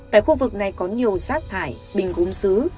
tại khu vực này có nhiều rác thải bình gốm xứ